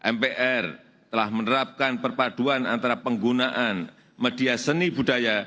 mpr telah menerapkan perpaduan antara penggunaan media seni budaya